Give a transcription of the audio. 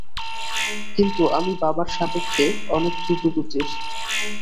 কিন্তু আমি বাবার সাপেক্ষে অনেক দ্রুতগতির।